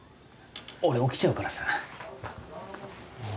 俺起きちゃうからさああ